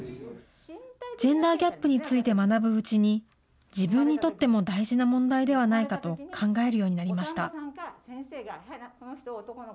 ジェンダーギャップについて学ぶうちに、自分にとっても大事な問題ではないかと考えるようになりました。